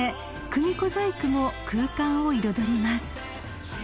組子細工も空間を彩ります］